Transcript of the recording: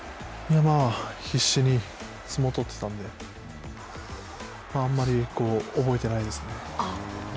必死に相撲を取ってたんであんまり覚えてないですね。